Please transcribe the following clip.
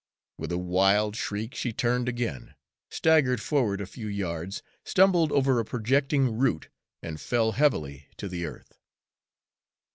With a wild shriek she turned again, staggered forward a few yards, stumbled over a projecting root, and fell heavily to the earth.